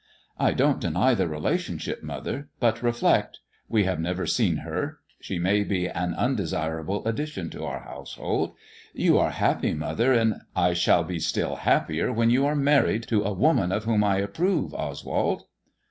"I don't deny the relationship, mother. But reflect. ¥e have never seen her. She may be an undesirable ddition to our household. You are happy, mother, in " I shall be still happier when you are married to a reman of whom I approve, Oswald."